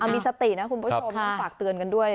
มีสตินะคุณผู้ชมต้องฝากเตือนกันด้วย